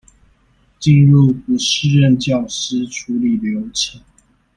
進入不適任教師處理流程